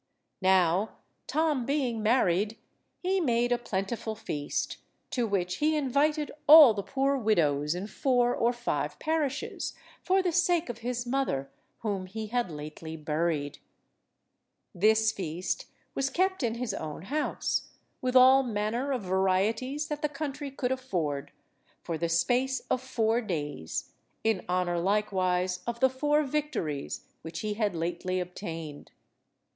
Now, Tom being married, he made a plentiful feast, to which he invited all the poor widows in four or five parishes, for the sake of his mother, whom he had lately buried. This feast was kept in his own house, with all manner of varieties that the country could afford, for the space of four days, in honour likewise of the four victories which he had lately obtained.